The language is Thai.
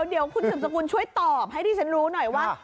เดี๋ยวคุณสืบสกุลช่วยตอบให้ที่ฉันรู้หน่อยว่า